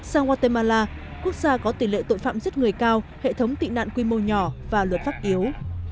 sang guatemala quốc gia có tỷ lệ tội phạm giết người cao hệ thống tị nạn quy mô nhỏ và luật pháp yếu